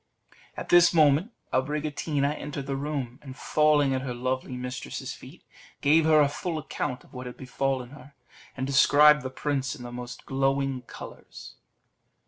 At this moment Abricotina entered the room, and falling at her lovely mistress's feet, gave her a full account of what had befallen her, and described the prince in the most glowing colours.